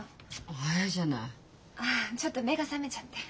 ああちょっと目が覚めちゃって。